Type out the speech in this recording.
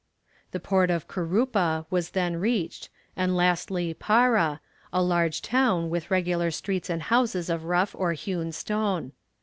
The port of Curupa was then reached, and lastly Para, a large town, with regular streets and houses of rough or hewn stone.